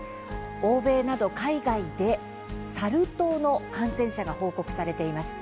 欧米など海外でサル痘の感染者が報告されています。